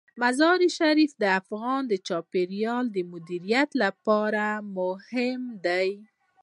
مزارشریف د افغانستان د چاپیریال د مدیریت لپاره مهم دي.